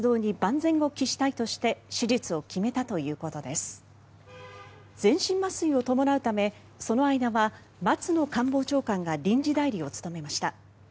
全身麻酔を伴うためその間は松野官房長官が臨時代理を務めました。